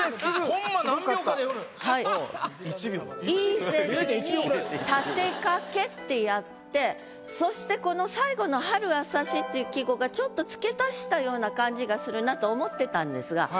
「イーゼルに立てかけ」ってやってそしてこの最後の「春浅し」っていう季語がちょっと付け足したような感じがするなと思ってたんですが。